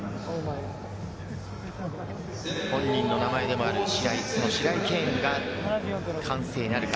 本人の名前でもある白井、そのシライケーンが完成なるか？